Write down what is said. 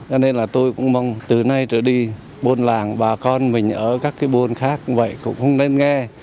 cho nên là tôi cũng mong từ nay trở đi buôn làng bà con mình ở các cái bôn khác vậy cũng không nên nghe